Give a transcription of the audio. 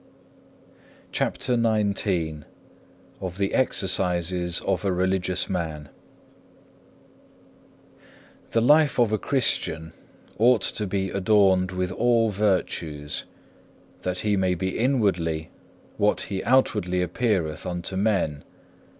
CHAPTER XIX Of the exercises of a religious man The life of a Christian ought to be adorned with all virtues, that he may be inwardly what he outwardly appeareth unto men.